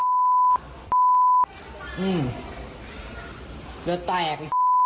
เลือดแตก